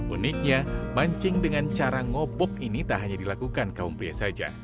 uniknya mancing dengan cara ngobok ini tak hanya dilakukan kaum pria saja